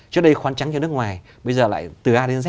trước đây khoán trắng cho nước ngoài bây giờ lại từ a đến z